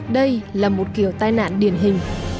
đây là một kiểu tai nạn điển hình